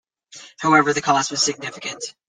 However, the cost was significant.